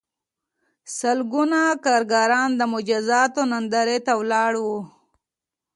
سلګونه کارګران د مجازاتو نندارې ته ولاړ وو